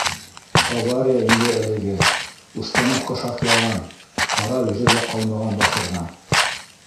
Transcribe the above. Авария инде әлеге, установка шартлаған, ҡарар ере лә ҡалмаған бахырҙың